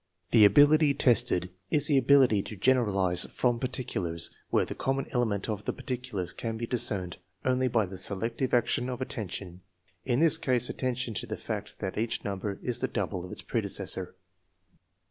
The ability tested is the ability TEST NO. XIV, 3 313 to generalize from particulars where the common element of the particulars can be discerned only by the selective action of attention, in this case attention to the fact that each number is the double of its predecessor.